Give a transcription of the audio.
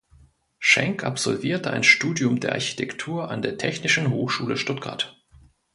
Schenk absolvierte ein Studium der Architektur an der Technischen Hochschule Stuttgart.